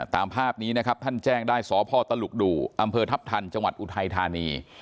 ตามภาพนี้นะครับท่านแจ้งได้สพตลุกดูอำเภอทัพทันจังหวัดอุทัยธานี